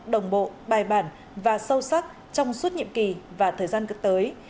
đồng bộ bài bản và sâu sắc trong suốt nhiệm kỳ và thời gian sắp tới